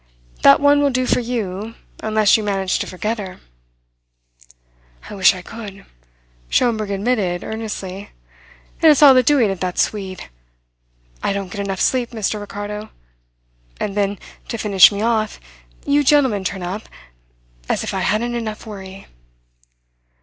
That one will do for you, unless you manage to forget her." "I wish I could," Schomberg admitted earnestly. "And it's all the doing of that Swede. I don't get enough sleep, Mr. Ricardo. And then, to finish me off, you gentlemen turn up ... as if I hadn't enough worry."